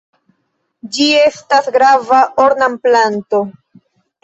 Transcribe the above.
Ĝi estas grava ornamplanto.